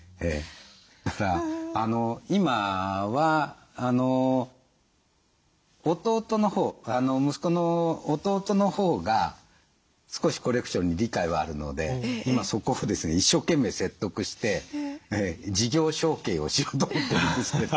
だから今は息子の弟のほうが少しコレクションに理解はあるので今そこをですね一生懸命説得して事業承継をしようと思ってるんですけど。